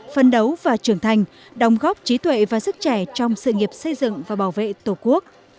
phân đấu và trưởng thành đóng góp trí tuệ và sức trẻ trong sự nghiệp xây dựng và bảo vệ tổ quốc